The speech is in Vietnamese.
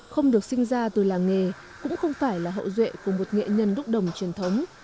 không được sinh ra từ làng nghề cũng không phải là hậu duệ của một nghệ nhân đúc đồng truyền thống